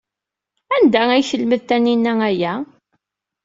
Anda ay telmed Taninna aya?